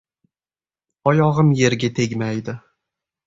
Oyog‘im yerga tegmaydi.